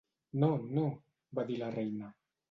'No, no!', va dir la reina.